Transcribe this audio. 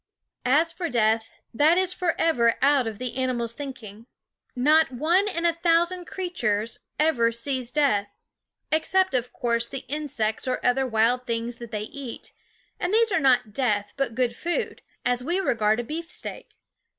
As for death, that is forever out of the animal's thinking. Not one in a thousand creatures ever sees death except, of course, the insects or other wild things that they eat, and these are not death but good food, as we regard a beefsteak.